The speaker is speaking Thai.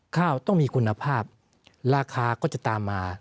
ข้าวต้องมีคุณภาพราคาก็จะตามมา